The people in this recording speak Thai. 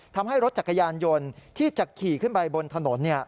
ทำให้รถจักรยานยนต์ที่จะขี่ขึ้นไปบนถนน